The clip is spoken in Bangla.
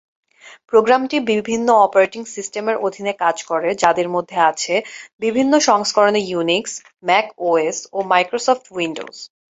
প্রোগ্রামটি বিভিন্ন অপারেটিং সিস্টেমের অধীনে কাজ করে, যাদের মধ্যে আছে বিভিন্ন সংস্করণের ইউনিক্স, ম্যাক ওএস, ও মাইক্রোসফট উইন্ডোজ।